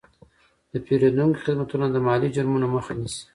د پیرودونکو خدمتونه د مالي جرمونو مخه نیسي.